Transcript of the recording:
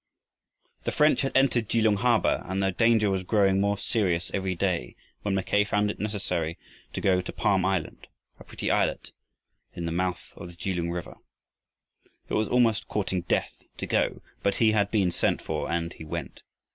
The French had entered Kelung harbor and the danger was growing more serious every day when Mackay found it necessary to go to Palm Island, a pretty islet in the mouth of the Kelung river. It was almost courting death to go, but he had been sent for, and he went.